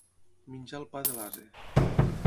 Menjar el pa de l'ase.